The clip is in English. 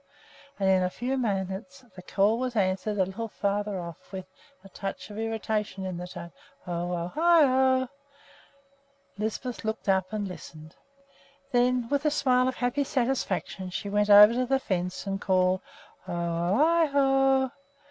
and in a few minutes the call was answered a little farther off with a touch of irritation in the tone, "Ho o i ho!" [Illustration: UP AT THE SÆTER] Lisbeth looked up and listened. Then with a smile of happy satisfaction she went over to the fence and called, "Ho o i ho!"